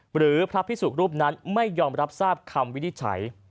หรือพระพิสุรูปนั้นไม่ยอมรับทราบคำวินิจฉัย